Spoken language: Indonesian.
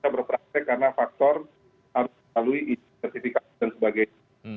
yang berpengalaman karena faktor harus melalui istri sertifikasi dan sebagainya